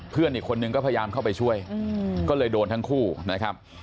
เพื่อนอีกคนนึงก็พยายามเข้าไปช่วยก็เลยโดนทั้งคู่นะครับ